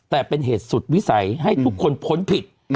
แต่เป็นเหตุสุดวิสัยให้ทุกคนพ้นผิด